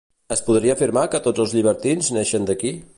Es podria afirmar que tots els llibertins neixen d'aquí?